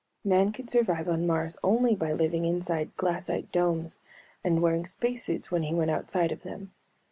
Man could survive on Mars only by living inside glassite domes and wearing space suits when he went outside of them.